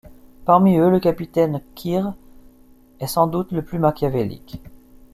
Parmi eux, le capitaine Quire est sans doute le plus machiavélique.